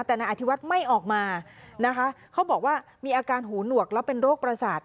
แต่นายอธิวัฒน์ไม่ออกมานะคะเขาบอกว่ามีอาการหูหนวกแล้วเป็นโรคประสาท